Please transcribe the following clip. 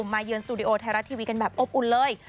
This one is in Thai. เยือนสตูดิโอไทยรัฐทีวีกันแบบอบอุ่นเลย